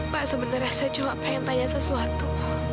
pak sebenarnya saya cuma pengen tanya sesuatu